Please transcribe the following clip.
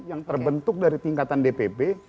yang terbentuk dari tingkatan dpp